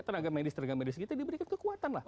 tenaga medis tenaga medis kita diberikan kekuatan lah